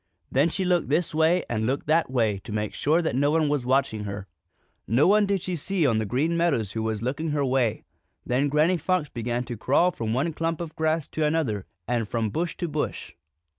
Then she looked this way and looked that way to make sure that no one was watching her. No one did she see on the Green Meadows who was looking her way. Then Granny Fox began to crawl from one clump of grass to another and from bush to bush.